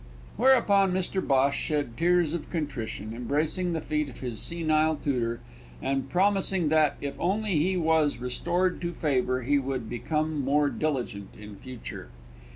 Whereupon Mr Bhosh shed tears of contrition, embracing the feet of his senile tutor, and promising that, if only he was restored to favour he would become more diligent in future.